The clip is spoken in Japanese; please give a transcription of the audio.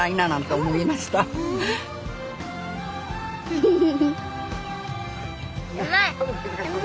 フフフフ！